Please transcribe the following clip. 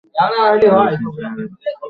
তাঁদের সংসারে এক পুত্র ও এক কন্যা রয়েছে।